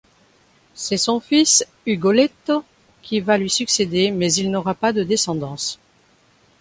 C'est son fils, Ugoletto, qui va lui succéder mais il n'aura pas de descendance.